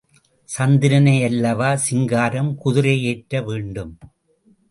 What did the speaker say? சந்திரனையல்லவா சிங்காரம் குதிரை ஏற்ற வேண்டும்?